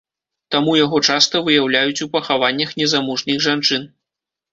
Таму яго часта выяўляюць у пахаваннях незамужніх жанчын.